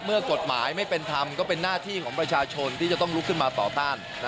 เมื่อกฎหมายไม่เป็นธรรมก็เป็นหน้าที่ของประชาชนที่จะต้องลุกขึ้นมาต่อต้าน